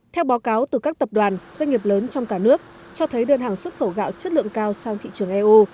theo báo cáo từ các tập đoàn doanh nghiệp lớn trong cả nước cho thấy đơn hàng xuất khẩu gạo chất lượng cao sang thị trường eu